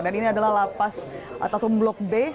dan ini adalah lapas atau blok b